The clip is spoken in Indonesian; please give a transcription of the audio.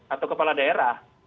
atau kepala daerah